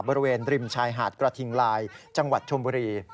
บริเวณริมชายหาดกระทิงลายจังหวัดชมบุรี